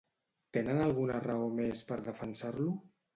Tenen alguna raó més per defensar-lo?